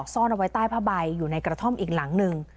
ซ่อนเอาไว้ใต้ผ้าใบอยู่ในกระท่อมอีกหลังหนึ่ง